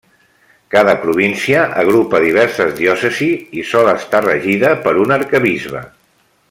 Cada província agrupa diverses diòcesis i sol estar regida per un arquebisbe.